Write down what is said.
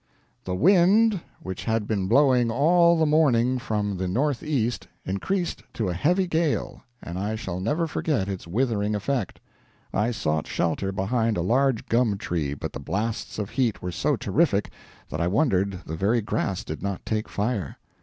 "The wind, which had been blowing all the morning from the N.E., increased to a heavy gale, and I shall never forget its withering effect. I sought shelter behind a large gum tree, but the blasts of heat were so terrific that I wondered the very grass did not take fire.